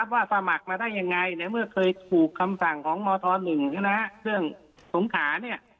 ว่าสมัครมาได้ยังไงในเมื่อเคยถูกคำสั่งของมธ๑เครื่องสงขาเนี่ย